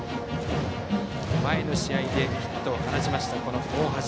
前の試合でヒットを放ちました大橋。